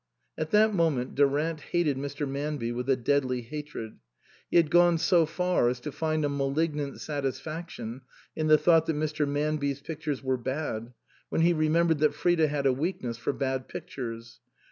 At that moment Durant hated Mr. Manby with a deadly hatred. He had gone so far as to find a malignant satisfaction in the thought that Mr. Manby's pictures were bad, when he remembered that Frida had a weakness for bad pictures.